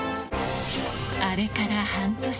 あれから半年。